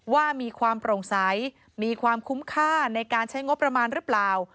ว่ามีความโปร่งใสมีความคุ้มค่าในการใช้งบประมาณหรือเปล่า